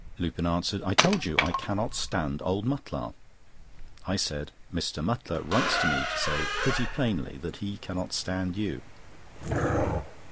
Lupin answered: "I told you! I cannot stand old Mutlar." I said: "Mr. Mutlar writes to me to say pretty plainly that he cannot stand you!"